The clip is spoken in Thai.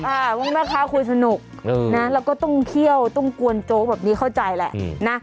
ว่าแม่ค้าคุยสนุกนะแล้วก็ต้องเคี่ยวต้องกวนโจ๊กแบบนี้เข้าใจแหละนะ